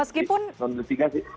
bukan di non litigasi